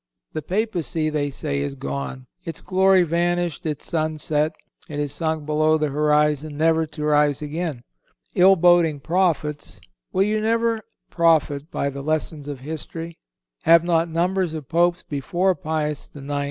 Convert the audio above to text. "The Papacy," they say, "is gone. Its glory is vanished. Its sun is set. It is sunk below the horizon, never to rise again." Ill boding prophets, will you never profit by the lessons of history? Have not numbers of Popes before Pius IX.